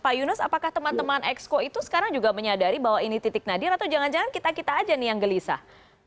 pak yunus apakah teman teman exco itu sekarang juga menyadari bahwa ini titik nadir atau jangan jangan kita kita aja nih yang gelisah